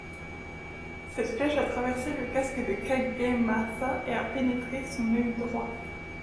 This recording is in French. Cette flèche a traversé le casque de Kagemasa et a pénétré son œil droit.